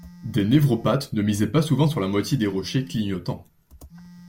Des névropathes ne misaient pas souvent sur la moitié des rochers clignotants.